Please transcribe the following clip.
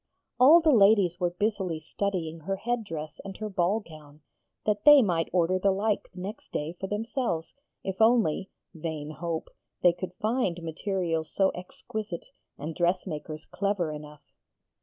All the ladies were busily studying her head dress and her ball gown, that they might order the like next day for themselves, if only (vain hope!) they could find materials so exquisite and dressmakers clever enough.